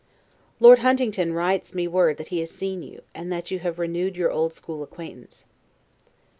Lord Huntingdon writes me word that he has seen you, and that you have renewed your old school acquaintance.